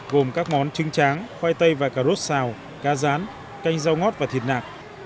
gồm các món trứng tráng khoai tây và cà rốt xào cá rán canh rau ngót và thịt nạc